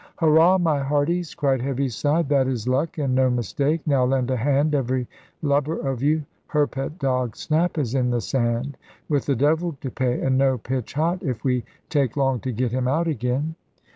"Hurrah, my hearties!" cried Heaviside; "that is luck, and no mistake. Now lend a hand, every lubber of you. Her pet dog Snap is in the sand; 'with the devil to pay, and no pitch hot,' if we take long to get him out again."